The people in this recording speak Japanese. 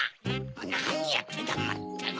なにやってんだまったく。